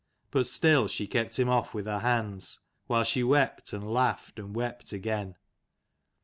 But still she kept him off with her hands, while she wept and laughed and wept again.